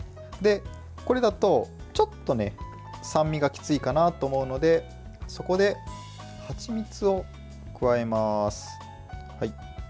これだと、ちょっと酸味がきついかなと思うのでそこで、はちみつを加えます。